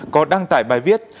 có đăng tải bài viết